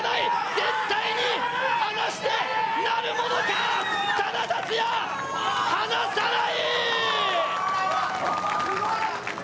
絶対に離してなるものか、多田竜也、離さない！